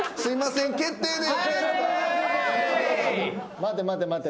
待て待て待て。